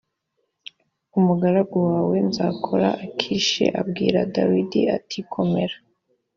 umugaragu wawe nzakora akishi abwira dawidi ati komera